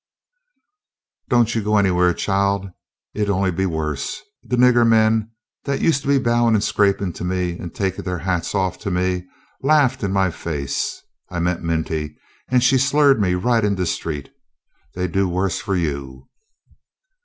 "Don't you go anywhaih, child. It 'ud only be worse. De niggah men dat ust to be bowin' an' scrapin' to me an' tekin' off dey hats to me laughed in my face. I met Minty an' she slurred me right in de street. Dey 'd do worse fu' you."